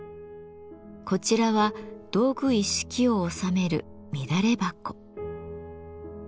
こちらは道具一式を収める「乱箱」。